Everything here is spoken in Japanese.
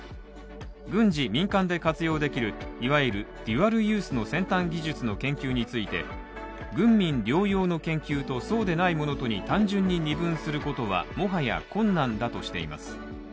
軍事・民間で活用できる、いわゆるデュアルユースの先端技術の研究について軍民両用の研究とそうでないものとに単純に２分することはもはや困難だとしています。